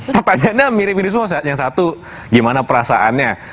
pertanyaannya mirip mirip semua yang satu gimana perasaannya